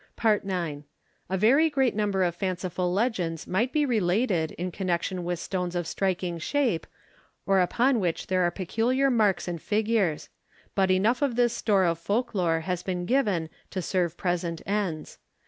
IX. A very great number of fanciful legends might be related in connection with stones of striking shape, or upon which there are peculiar marks and figures; but enough of this store of folk lore has been given to serve present ends.